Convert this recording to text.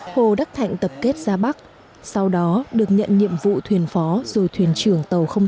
hồ đắc thạnh tập kết ra bắc sau đó được nhận nhiệm vụ thuyền phó rồi thuyền trưởng tàu